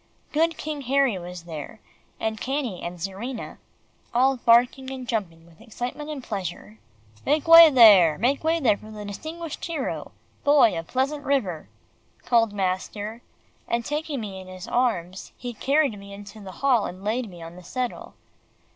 Good King Harry was there, and Cannie and Czarina, all barking and jumping with excitement and pleasure. "Make way there, make way there for the distinguished hero Boy of Pleasant River," called master, and taking me in his arms, he carried me into the hall and laid me on the settle.